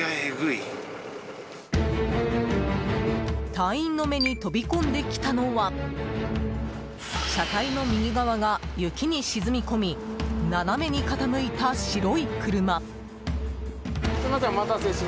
隊員の目に飛び込んできたのは車体の右側が雪に沈み込み斜めに傾いた白い車。